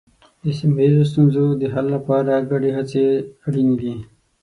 د سیمه ییزو ستونزو د حل لپاره ګډې هڅې اړینې دي.